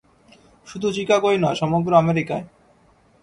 শুধু চিকাগোয় নয়, সমগ্র আমেরিকায়।